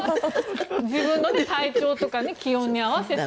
自分の体調とか気温に合わせて。